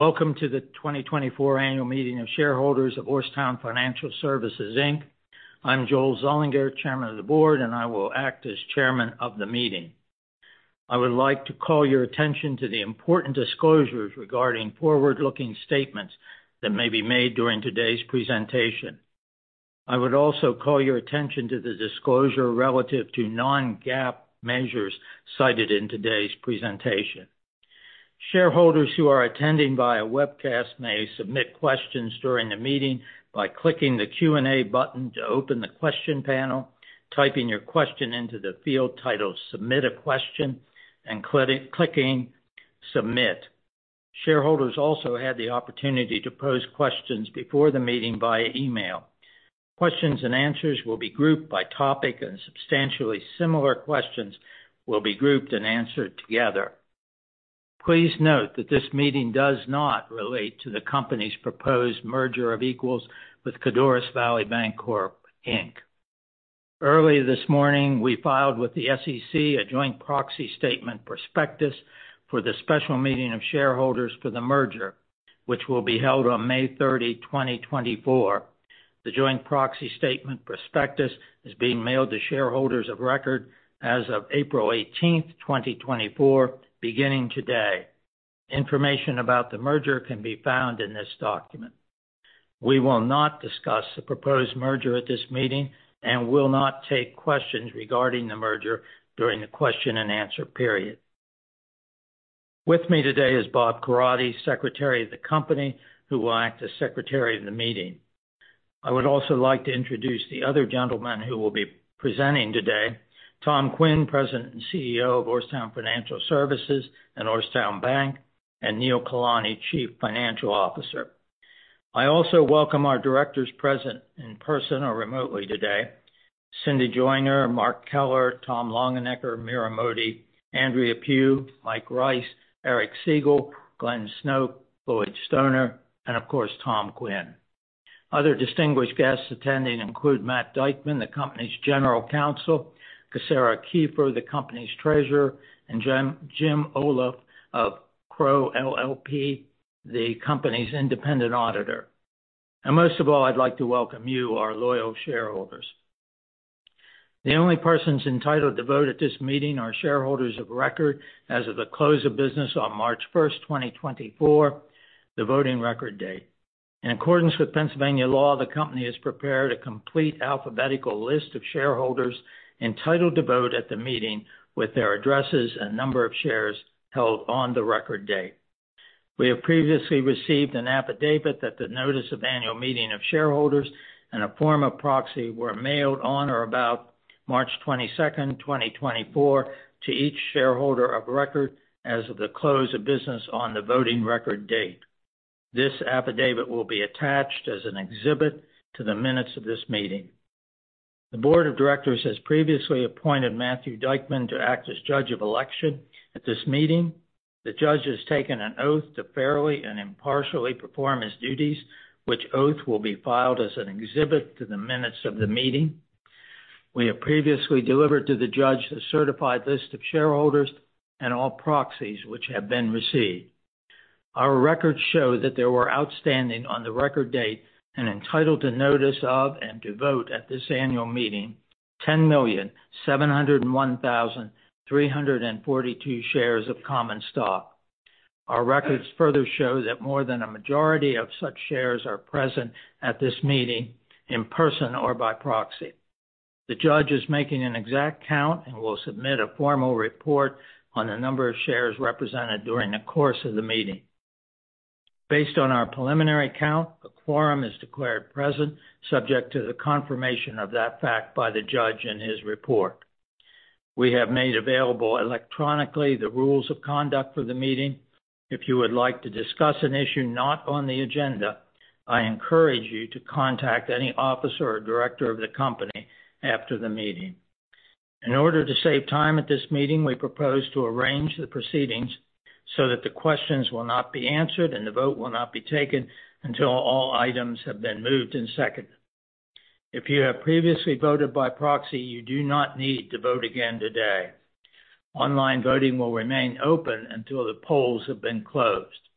Welcome to the 2024 Annual Meeting of Shareholders of Orrstown Financial Services, Inc. I'm Joel Zullinger, Chairman of the board, and I will act as Chairman of the meeting. I would like to call your attention to the important disclosures regarding forward-looking statements that may be made during today's presentation. I would also call your attention to the disclosure relative to non-GAAP measures cited in today's presentation. Shareholders who are attending via webcast may submit questions during the meeting by clicking the Q&A button to open the question panel, typing your question into the field titled Submit a Question, and clicking Submit. Shareholders also had the opportunity to pose questions before the meeting via email. Questions and answers will be grouped by topic, and substantially similar questions will be grouped and answered together. Please note that this meeting does not relate to the company's proposed merger of equals with Codorus Valley Bancorp, Inc. Early this morning, we filed with the SEC a joint proxy statement prospectus for the special meeting of shareholders for the merger, which will be held on May 30, 2024. The joint proxy statement prospectus is being mailed to shareholders of record as of April 18, 2024, beginning today. Information about the merger can be found in this document. We will not discuss the proposed merger at this meeting and will not take questions regarding the merger during the question-and-answer period. With me today is Bob Corradi, Secretary of the company, who will act as secretary of the meeting. I would also like to introduce the other gentleman who will be presenting today, Tom Quinn, President and CEO of Orrstown Financial Services and Orrstown Bank, and Neil Kalani, Chief Financial Officer. I also welcome our directors present in person or remotely today, Cindy Joiner, Mark Keller, Tom Longenecker, Meera Modi, Andrea Pugh, Mike Rice, Eric Segal, Glenn Snoke, Floyd Stoner, and of course, Tom Quinn. Other distinguished guests attending include Matthew Dyckman, the company's General Counsel, Casara Kieffer, the company's Treasurer, and Jim Oleff of Crowe LLP, the company's independent auditor. And most of all, I'd like to welcome you, our loyal shareholders. The only persons entitled to vote at this meeting are shareholders of record as of the close of business on March 1st, 2024, the voting record date. In accordance with Pennsylvania law, the company has prepared a complete alphabetical list of shareholders entitled to vote at the meeting, with their addresses and number of shares held on the record date. We have previously received an affidavit that the notice of annual meeting of shareholders and a form of proxy were mailed on or about March 22nd, 2024, to each shareholder of record as of the close of business on the voting record date. This affidavit will be attached as an exhibit to the minutes of this meeting. The board of directors has previously appointed Matthew Dyckman to act as judge of election at this meeting. The judge has taken an oath to fairly and impartially perform his duties, which oath will be filed as an exhibit to the minutes of the meeting. We have previously delivered to the judge the certified list of shareholders and all proxies which have been received. Our records show that there were outstanding on the record date and entitled to notice of and to vote at this annual meeting, 10,701,342 shares of common stock. Our records further show that more than a majority of such shares are present at this meeting, in person or by proxy. The judge is making an exact count and will submit a formal report on the number of shares represented during the course of the meeting. Based on our preliminary count, a quorum is declared present, subject to the confirmation of that fact by the judge in his report. We have made available electronically the rules of conduct for the meeting. If you would like to discuss an issue not on the agenda, I encourage you to contact any officer or director of the company after the meeting. In order to save time at this meeting, we propose to arrange the proceedings so that the questions will not be answered and the vote will not be taken until all items have been moved and seconded. If you have previously voted by proxy, you do not need to vote again today. Online voting will remain open until the polls have been closed.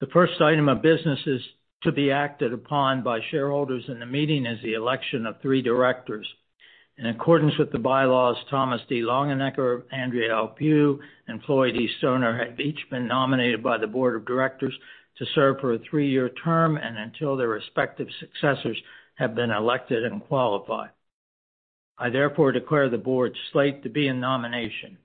The first item of business is to be acted upon by shareholders in the meeting, is the election of three directors. In accordance with the bylaws, Thomas D. Longenecker, Andrea L. Pugh, and Floyd E. Stoner have each been nominated by the board of directors to serve for a three-year term and until their respective successors have been elected and qualified. I therefore declare the board slate to be in nomination.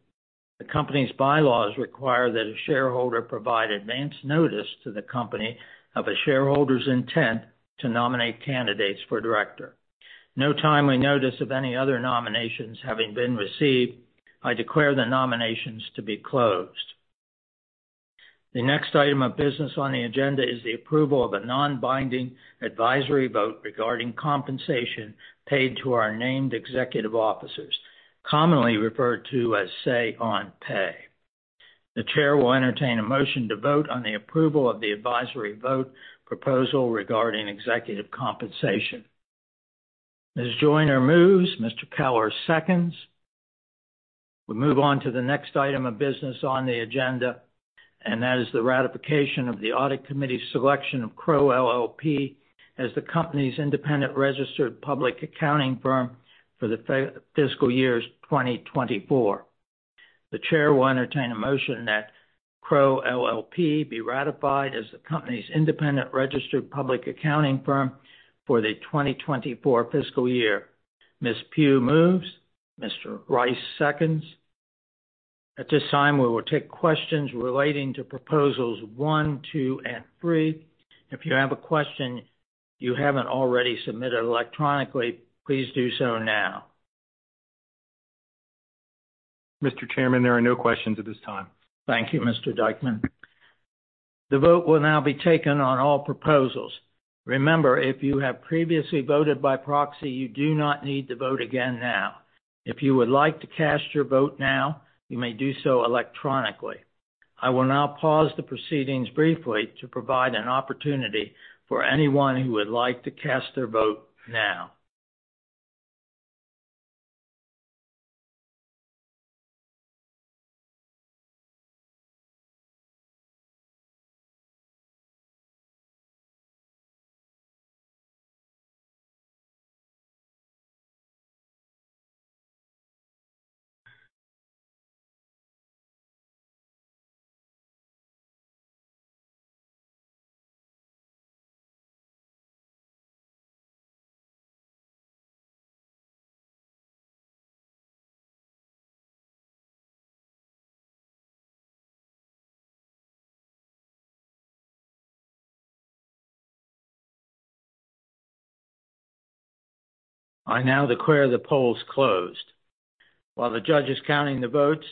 The company's bylaws require that a shareholder provide advance notice to the company of a shareholder's intent to nominate candidates for director. No timely notice of any other nominations having been received, I declare the nominations to be closed. The next item of business on the agenda is the approval of a non-binding advisory vote regarding compensation paid to our named executive officers, commonly referred to as Say on Pay. The chair will entertain a motion to vote on the approval of the advisory vote proposal regarding executive compensation. As Joiner moves, Mr. Keller seconds. We move on to the next item of business on the agenda, and that is the ratification of the audit committee's selection of Crowe LLP as the company's independent registered public accounting firm for the fiscal years 2024. The chair will entertain a motion that Crowe LLP be ratified as the company's independent registered public accounting firm for the 2024 fiscal year. Ms. Pugh moves, Mr. Rice seconds. At this time, we will take questions relating to proposals one, two, and three. If you have a question you haven't already submitted electronically, please do so now. Mr. Chairman, there are no questions at this time. Thank you, Mr. Dyckman. The vote will now be taken on all proposals. Remember, if you have previously voted by proxy, you do not need to vote again now. If you would like to cast your vote now, you may do so electronically. I will now pause the proceedings briefly to provide an opportunity for anyone who would like to cast their vote now. I now declare the polls closed. While the judge is counting the votes,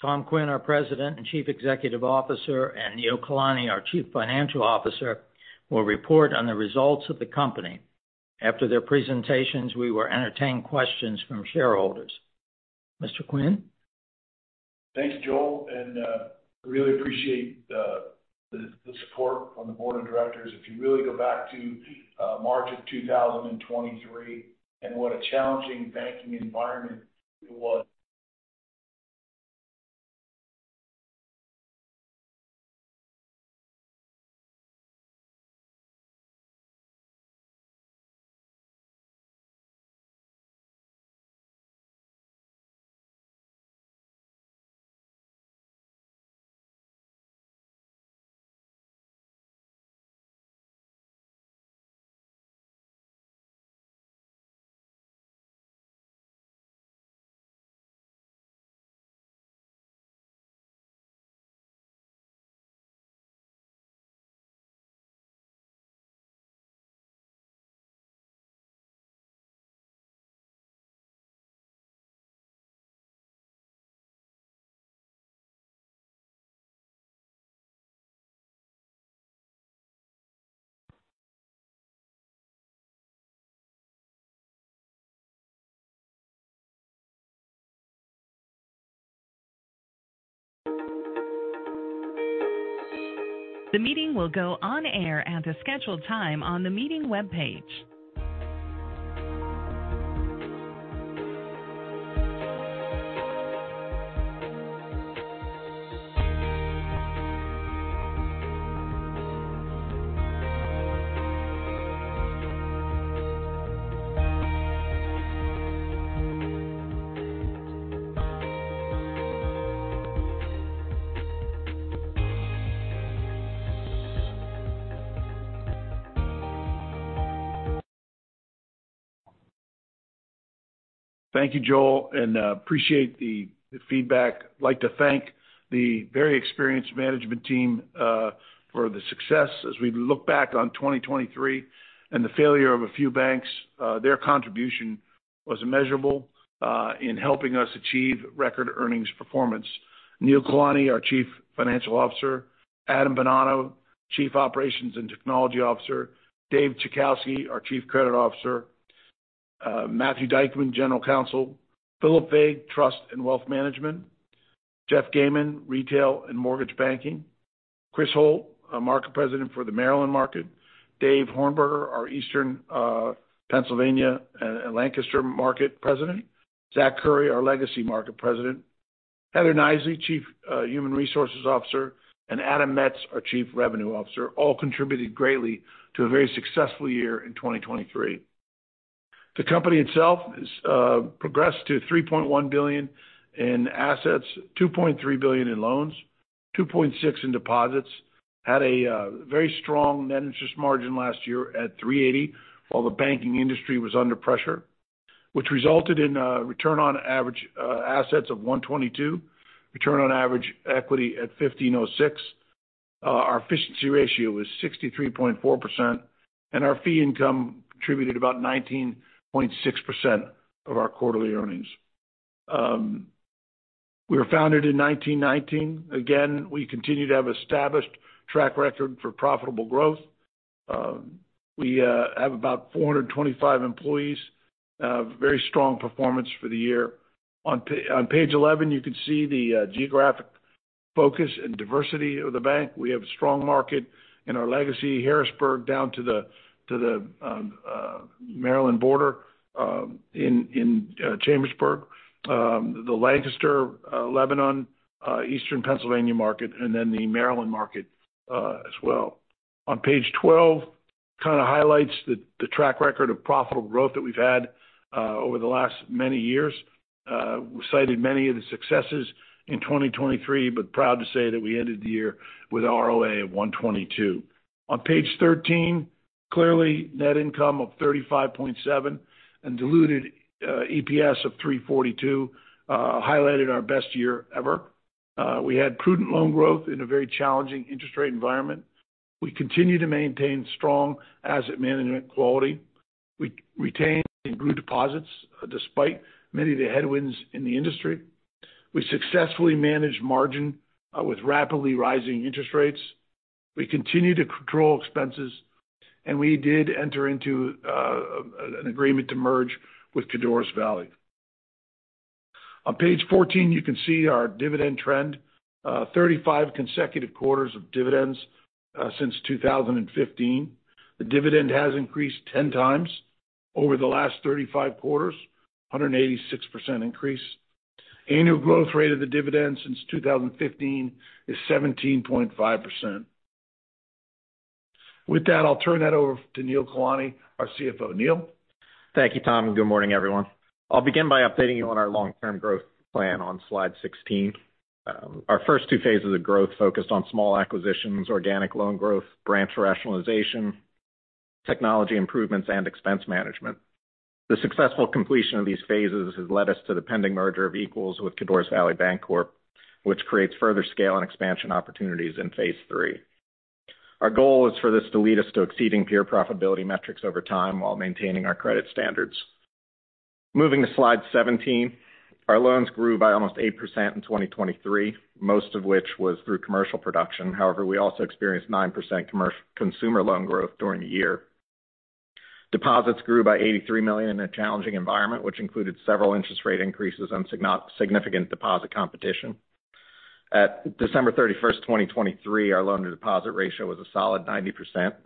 Tom Quinn, our President and Chief Executive Officer, and Neil Kalani, our Chief Financial Officer, will report on the results of the company. After their presentations, we will entertain questions from shareholders. Mr. Quinn? Thanks, Joel, and really appreciate the support from the board of directors. If you really go back to March 2023 and what a challenging banking environment it was. The meeting will go on air at the scheduled time on the meeting webpage. Thank you, Joel, and appreciate the feedback. I'd like to thank the very experienced management team for the success. As we look back on 2023 and the failure of a few banks, their contribution was immeasurable in helping us achieve record earnings performance. Neil Kalani, our Chief Financial Officer, Adam Bonanno, Chief Operations and Technology Officer, Dave Chajkowski, our Chief Credit Officer, Matthew Dyckman, General Counsel, Philip Fague, Trust and Wealth Management, Jeff Gayman, Retail and Mortgage Banking, Chris Holt, our Market President for the Maryland market, Dave Hornberger, our Eastern Pennsylvania and Lancaster Market President, Zack Khuri, our Legacy Market President, Heather Knisely, Chief Human Resources Officer, and Adam Metz, our Chief Revenue Officer, all contributed greatly to a very successful year in 2023. The company itself is progressed to $3.1 billion in assets, $2.3 billion in loans, $2.6 billion in deposits, had a very strong net interest margin last year at 3.80, while the banking industry was under pressure, which resulted in a return on average assets of 1.22, return on average equity at 15.06. Our efficiency ratio was 63.4%, and our fee income contributed about 19.6% of our quarterly earnings. We were founded in 1919. Again, we continue to have established track record for profitable growth. We have about 425 employees, very strong performance for the year. On page 11, you can see the geographic focus and diversity of the bank. We have a strong market in our legacy, Harrisburg, down to the Maryland border, in Chambersburg, the Lancaster, Lebanon, Eastern Pennsylvania market, and then the Maryland market, as well. On page 12, kind of highlights the track record of profitable growth that we've had, over the last many years. We've cited many of the successes in 2023, but proud to say that we ended the year with ROA of 1.22%. On page 13, clearly, net income of $35.7 million and diluted EPS of $3.42, highlighted our best year ever. We had prudent loan growth in a very challenging interest rate environment. We continue to maintain strong asset management quality. We retained and grew deposits despite many of the headwinds in the industry. We successfully managed margin with rapidly rising interest rates. We continued to control expenses, and we did enter into an agreement to merge with Codorus Valley. On page 14, you can see our dividend trend, 35 consecutive quarters of dividends since 2015. The dividend has increased 10x over the last 35 quarters, a 186% increase. Annual growth rate of the dividend since 2015 is 17.5%. With that, I'll turn that over to Neil Kalani, our CFO. Neil? Thank you, Tom, and good morning, everyone. I'll begin by updating you on our long-term growth plan on slide 16. Our first two phases of growth focused on small acquisitions, organic loan growth, branch rationalization, technology improvements, and expense management. The successful completion of these phases has led us to the pending merger of equals with Codorus Valley Bancorp, which creates further scale and expansion opportunities in phase three. Our goal is for this to lead us to exceeding peer profitability metrics over time while maintaining our credit standards. Moving to slide 17, our loans grew by almost 8% in 2023, most of which was through commercial production. However, we also experienced 9% consumer loan growth during the year. Deposits grew by $83 million in a challenging environment, which included several interest rate increases and significant deposit competition. At December 31, 2023, our loan-to-deposit ratio was a solid 90%,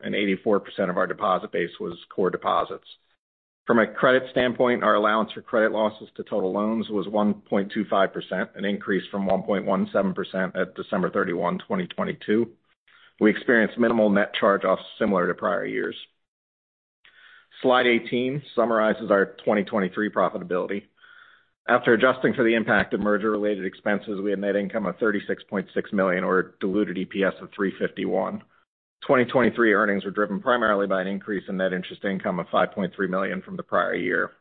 and 84% of our deposit base was core deposits. From a credit standpoint, our allowance for credit losses to total loans was 1.25%, an increase from 1.17% at December 31, 2022. We experienced minimal net charge-offs similar to prior years. Slide 18 summarizes our 2023 profitability. After adjusting for the impact of merger-related expenses, we had net income of $36.6 million, or diluted EPS of $3.51. 2023 earnings were driven primarily by an increase in net interest income of $5.3 million from the prior year.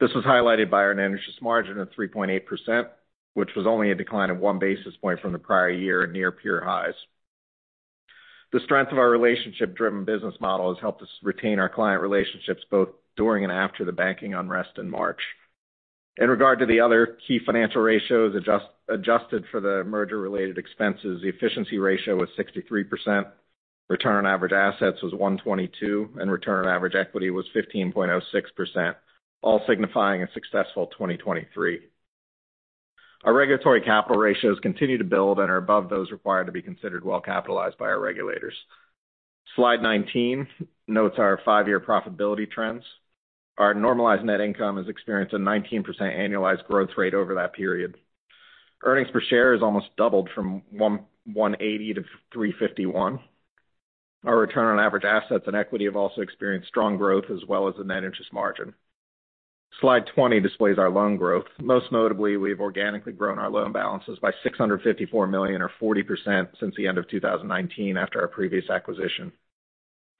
This was highlighted by our net interest margin of 3.8%, which was only a decline of 1 basis point from the prior year at near peer highs. The strength of our relationship-driven business model has helped us retain our client relationships, both during and after the banking unrest in March. In regard to the other key financial ratios, adjusted for the merger-related expenses, the efficiency ratio was 63%, return on average assets was 1.22, and return on average equity was 15.06%, all signifying a successful 2023. Our regulatory capital ratios continue to build and are above those required to be considered well-capitalized by our regulators. Slide 19 notes our five-year profitability trends. Our normalized net income has experienced a 19% annualized growth rate over that period. Earnings per share has almost doubled from $1.18-$3.51. Our return on average assets and equity have also experienced strong growth, as well as the net interest margin. Slide 20 displays our loan growth. Most notably, we've organically grown our loan balances by $654 million, or 40%, since the end of 2019 after our previous acquisition.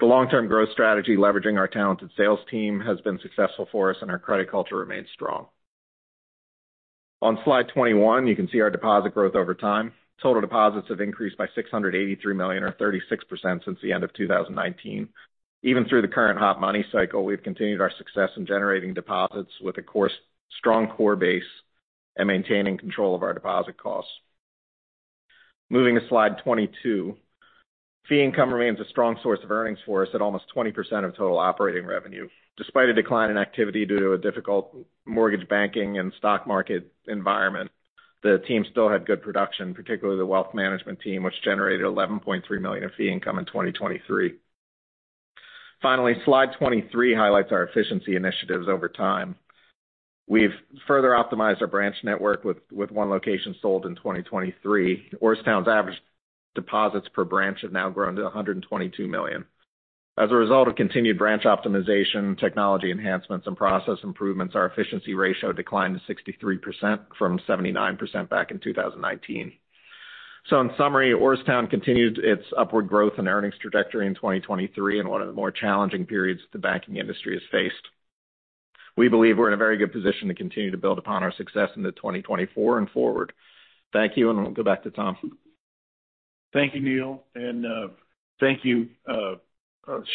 The long-term growth strategy, leveraging our talented sales team, has been successful for us, and our credit culture remains strong. On slide 21, you can see our deposit growth over time. Total deposits have increased by $683 million, or 36%, since the end of 2019. Even through the current hot money cycle, we've continued our success in generating deposits with a core, strong core base and maintaining control of our deposit costs. Moving to slide 22, fee income remains a strong source of earnings for us at almost 20% of total operating revenue. Despite a decline in activity due to a difficult mortgage banking and stock market environment, the team still had good production, particularly the wealth management team, which generated $11.3 million of fee income in 2023. Finally, slide 23 highlights our efficiency initiatives over time. We've further optimized our branch network with one location sold in 2023. Orrstown's average deposits per branch have now grown to $122 million. As a result of continued branch optimization, technology enhancements, and process improvements, our efficiency ratio declined to 63% from 79% back in 2019. So in summary, Orrstown continued its upward growth and earnings trajectory in 2023 in one of the more challenging periods the banking industry has faced. We believe we're in a very good position to continue to build upon our success into 2024 and forward. Thank you, and we'll go back to Tom. Thank you, Neil, and thank you,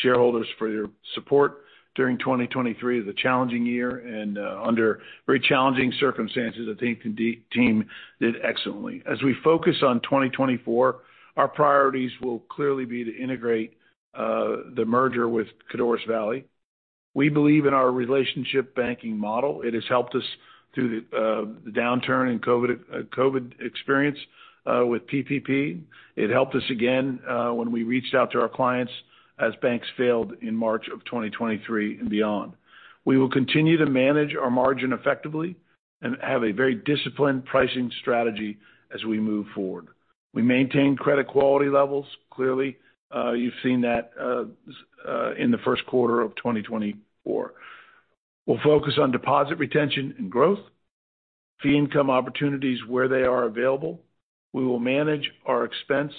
shareholders, for your support during 2023. It was a challenging year and, under very challenging circumstances, I think the team did excellently. As we focus on 2024, our priorities will clearly be to integrate the merger with Codorus Valley. We believe in our relationship banking model. It has helped us through the downturn in COVID, COVID experience with PPP. It helped us again, when we reached out to our clients as banks failed in March of 2023 and beyond. We will continue to manage our margin effectively and have a very disciplined pricing strategy as we move forward. We maintain credit quality levels, clearly, you've seen that, in the first quarter of 2024. We'll focus on deposit retention and growth, fee income opportunities where they are available. We will manage our expense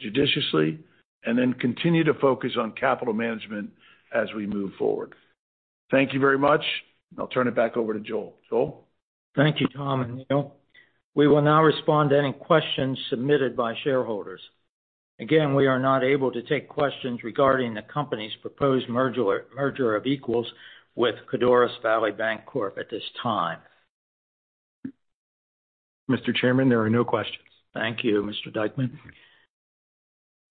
judiciously, and then continue to focus on capital management as we move forward. Thank you very much. I'll turn it back over to Joel. Joel? Thank you, Tom and Neil. We will now respond to any questions submitted by shareholders. Again, we are not able to take questions regarding the company's proposed merger or merger of equals with Codorus Valley Bancorp at this time. Mr. Chairman, there are no questions. Thank you, Mr. Dyckman.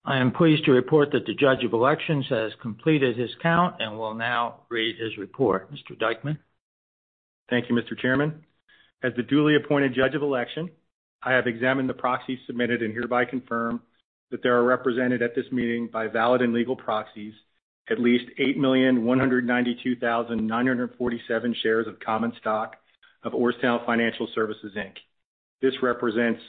I am pleased to report that the Judge of Elections has completed his count and will now read his report. Mr. Dyckman? Thank you, Mr. Chairman. As the duly appointed Judge of Election, I have examined the proxies submitted and hereby confirm that they are represented at this meeting by valid and legal proxies, at least 8,192,947 shares of common stock of Orrstown Financial Services, Inc. This represents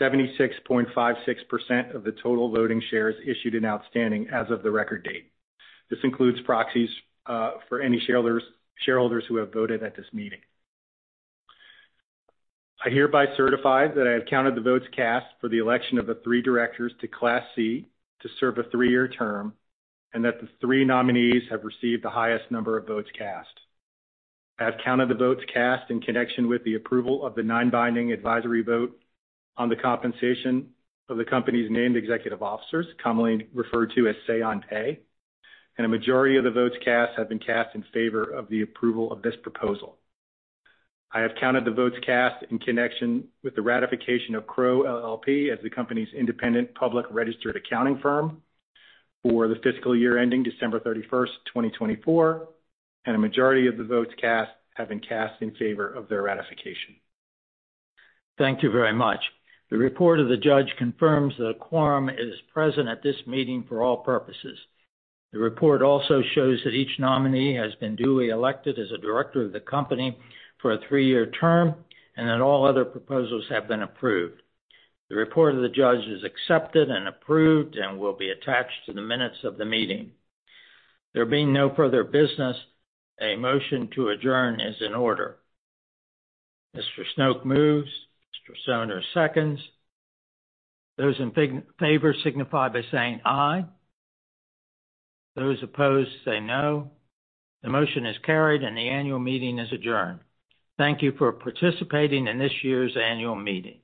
76.56% of the total voting shares issued and outstanding as of the record date. This includes proxies for any shareholders, shareholders who have voted at this meeting. I hereby certify that I have counted the votes cast for the election of the three directors to Class C to serve a three-year term, and that the three nominees have received the highest number of votes cast. I have counted the votes cast in connection with the approval of the nonbinding advisory vote on the compensation of the company's named executive officers, commonly referred to as Say on Pay, and a majority of the votes cast have been cast in favor of the approval of this proposal. I have counted the votes cast in connection with the ratification of Crowe LLP as the company's independent registered public accounting firm for the fiscal year ending December 31, 2024, and a majority of the votes cast have been cast in favor of their ratification. Thank you very much. The report of the judge confirms that a quorum is present at this meeting for all purposes. The report also shows that each nominee has been duly elected as a director of the company for a three-year term, and that all other proposals have been approved. The report of the judge is accepted and approved and will be attached to the minutes of the meeting. There being no further business, a motion to adjourn is in order. Mr. Snoke moves, Mr. Stoner seconds. Those in favor signify by saying aye. Those opposed say no. The motion is carried and the annual meeting is adjourned. Thank you for participating in this year's annual meeting.